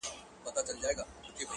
• گلابي شونډي يې د بې په نوم رپيږي.